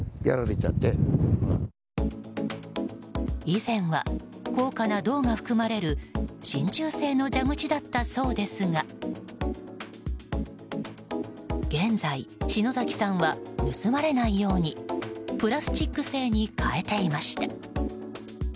以前は高価な銅が含まれる真鍮製の蛇口だったそうですが現在、篠崎さんは盗まれないようにプラスチック製に変えていました。